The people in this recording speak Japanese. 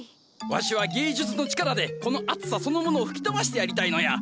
わしは芸術の力でこの暑さそのものを吹き飛ばしてやりたいのや。